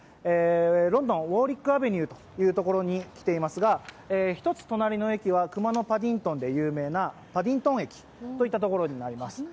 ロンドンのウォーリック・アベニューというところに来ていますが１つ隣の駅は熊のパディントンで有名なパディントン駅になります。